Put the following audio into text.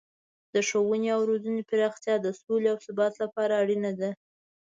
د ښوونې او روزنې پراختیا د سولې او ثبات لپاره اړینه ده.